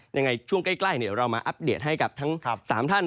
ยังไงช่วงใกล้เดี๋ยวเรามาอัปเดตให้กับทั้ง๓ท่าน